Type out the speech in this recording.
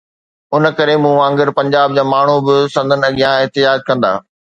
ان ڪري مون وانگر پنجاب جا ماڻهو به سندن اڳيان احتجاج ڪندا.